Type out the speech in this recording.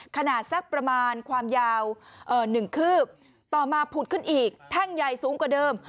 ขนาดสักประมาณความยาว๑คืบต่อมาผุดขึ้นอีกแท่งใหญ่สูงกว่าเดิม